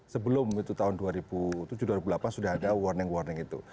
sebelum itu tahun dua ribu tujuh dua ribu delapan sudah ada warning warning itu